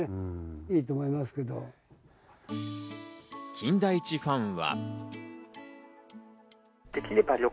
金田一ファンは。